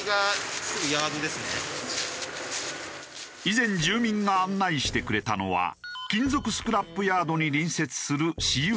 以前住民が案内してくれたのは金属スクラップヤードに隣接する私有地。